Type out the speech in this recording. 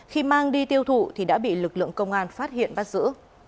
khi mang đi tiêu thụ thì đã bị lực lượng công an phát hiện bắt giữ